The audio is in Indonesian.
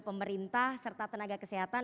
pemerintah serta tenaga kesehatan